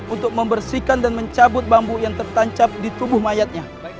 untuk membersihkan dan mencabut bambu yang tertancap di tubuh mayatnya